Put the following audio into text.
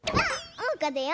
おうかだよ。